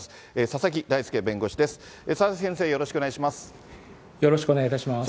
佐々木先生、よろしくお願いいたします。